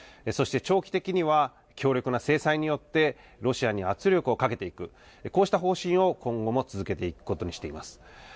そして長期的には、強力な制裁によってロシアに圧力をかけていく、こうした方針を今後も続けていくことにしています。